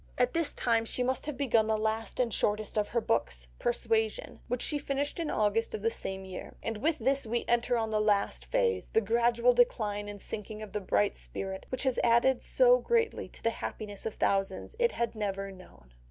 At this time she must have begun the last and shortest of her books, Persuasion, which she finished in August of the same year. And with this we enter on the last phase, the gradual decline and sinking of the bright spirit, which had added so greatly to the happiness of thousands it had never known.